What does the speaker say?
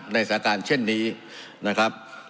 สถานการณ์เช่นนี้นะครับ